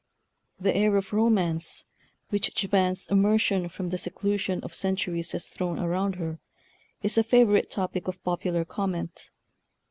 The air of romance which Japan's emer sion from the seclusion of centuries has thrown around her is a favorite topic of popular comment.